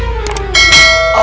nanda prabu munding layang